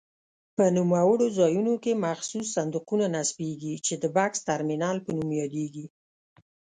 په نوموړو ځایونو کې مخصوص صندوقونه نصبېږي چې د بکس ترمینل په نوم یادیږي.